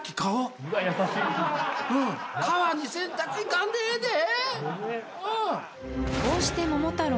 川に洗濯行かんでええで。